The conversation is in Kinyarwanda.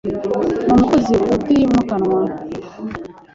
Ni umukozi utimukanwa.